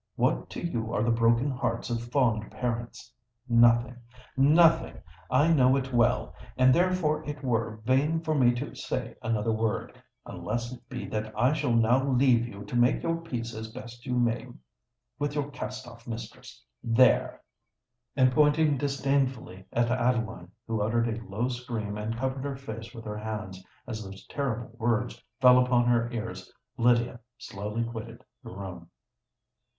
what to you are the broken hearts of fond parents? Nothing—nothing: I know it well! And therefore it were vain for me to say another word—unless it be that I shall now leave you to make your peace as best you may with your cast off mistress there!" And pointing disdainfully at Adeline, who uttered a low scream and covered her face with her hands as those terrible words fell upon her ears, Lydia slowly quitted the room.